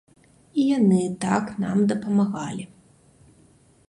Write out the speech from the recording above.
І яны так нам дапамагалі!